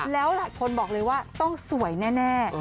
แล้วหลายคนบอกเลยว่าต้องสวยแน่